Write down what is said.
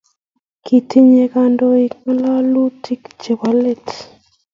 kiityi kandoik ng'ololutik chebo let